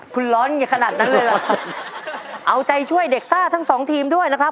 คุณร้อนกันขนาดนั้นเลยเหรอเอาใจช่วยเด็กซ่าทั้งสองทีมด้วยนะครับ